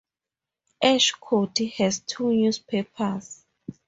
Ashe County has two newspapers.